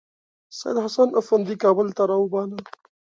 سیدحسن افندي کابل ته راوباله.